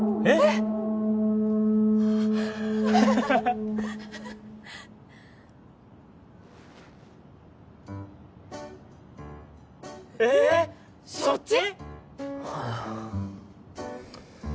えっそっち？